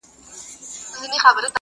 ځينې کورنۍ کډه کوي او کلي پرېږدي ورو ورو